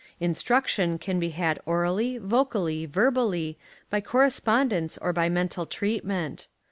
In struction can be had orally, vocally, verbally, by correspondence or by mental treatment.